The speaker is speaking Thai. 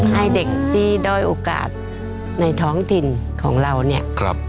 ให้เด็กที่ด้อยโอกาสในท้องถิ่นของเราเนี่ย